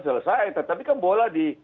selesai tetapi kan boleh